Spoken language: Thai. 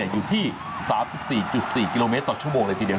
อยู่ที่๓๔๔กิโลเมตรต่อชั่วโมงเลยทีเดียว